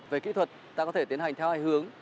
về kỹ thuật ta có thể tiến hành theo hai hướng